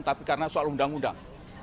tapi karena soal undang undang